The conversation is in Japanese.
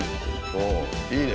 おおいいね！